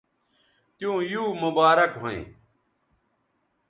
تیوں یو مبارک ھویں